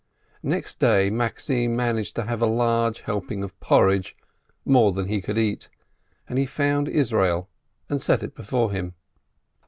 Next day Maxim managed to have a large helping of porridge, more than he could eat, and he found Israel, and set it before him.